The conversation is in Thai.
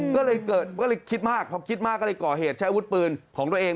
ก็เลยเกิดก็เลยคิดมากพอคิดมากก็เลยก่อเหตุใช้อาวุธปืนของตัวเอง